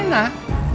itu apa sih